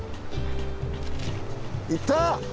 いった！